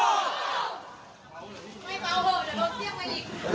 ไม่เปล่าโหเดี๋ยวเขาเตียงไว้อีก